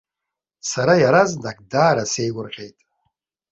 Сара иаразнак даара сеигәырӷьеит.